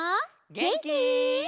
げんき？